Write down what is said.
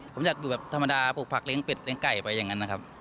ผมอยากอยู่แบบธรรมดาปลูกผักเลี้ยเป็ดเลี้ยไก่ไปอย่างนั้นนะครับ